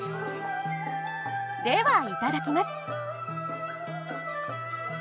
ではいただきます。